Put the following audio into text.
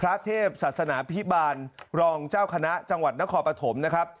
ลักษณะพิบาลรองเจ้าคณะจังหวัดนครปฐมนะครับ